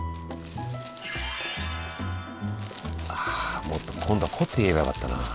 あもっと今度は凝って言えばよかったなあ。